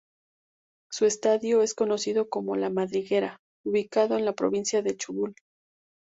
Su estadio es conocido como "La Madriguera", ubicado en la Provincia del Chubut.